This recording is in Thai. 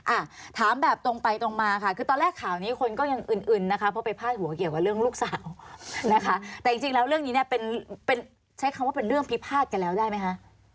อ่ะถามแบบตรงไปตรงมาค่ะคือตอนแรกข่าวนี้คนก็ยังอึนนะคะเพราะไปพาดหัวเกี่ยวกับเรื่องลูกสาวนะคะแต่จริงแล้วเรื่องนี้เนี่ยเป็นเป็นใช้คำว่าเป็นเรื่องพิพาทกันแล้วได้ไหมคะ